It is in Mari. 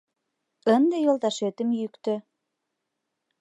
Ынде йолташетым йӱктӧ.